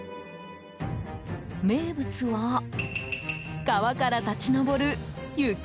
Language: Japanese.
名物は、川から立ち上る湯煙。